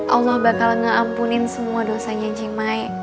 allah bakal ngeampunin semua dosanya cing maya